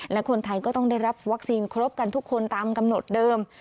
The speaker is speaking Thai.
และคนไทยก็ต้องได้รับวัคซีนครบกันทุกคนตามกำหนดเดิม